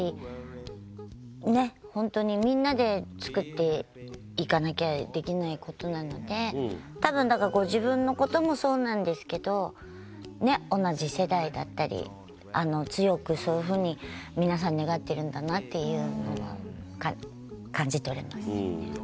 本当にみんなで作っていかなきゃできないことなのでたぶん、自分のこともそうなんですけど同じ世代だったり強くそういうふうに皆さん願ってるんだなっていうのは感じ取れますよね。